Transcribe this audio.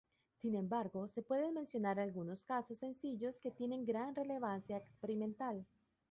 Sin embargo, se pueden mencionar algunos casos sencillos que tienen gran relevancia experimental.